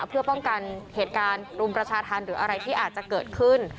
เพื่อป้องกันเหตุการณ์รุมประชาธรรมหรืออะไรที่อาจจะเกิดขึ้น